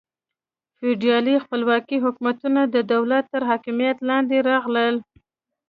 فیوډالي خپلواک حکومتونه د دولت تر حاکمیت لاندې راغلل.